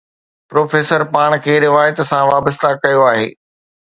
Professor پاڻ کي روايت سان وابسته ڪيو آهي.